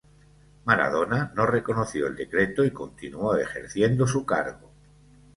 Maradona no reconoció el decreto y continuó ejerciendo su cargo.